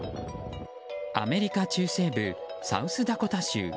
アメリカ中西部サウスダコタ州。